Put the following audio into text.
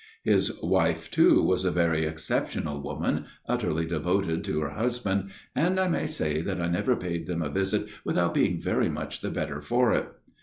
His wife, too, was a very exceptional woman, utterly devoted to her husband, and I may say that I never paid them a visit without being very much the better for it.